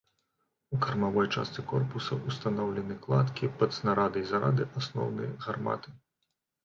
У кармавой частцы корпуса ўстаноўлены кладкі пад снарады і зарады асноўнай гарматы.